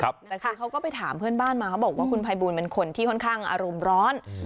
แต่คือเขาก็ไปถามเพื่อนบ้านมาเขาบอกว่าคุณภัยบูลเป็นคนที่ค่อนข้างอารมณ์ร้อน